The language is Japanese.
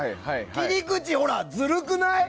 切り口、ずるくない？